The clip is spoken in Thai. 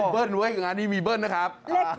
เบิร์นไว้งานนี้มีเบิร์นนะครับ